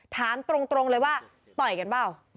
ถามตรงเลยว่าต่อยกันเปล่า